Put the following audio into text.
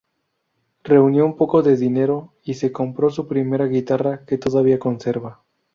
Reunió un poco de dinero y se compró su primera guitarra, que todavía conserva.